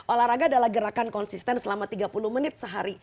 olahraga adalah gerakan konsisten selama tiga puluh menit sehari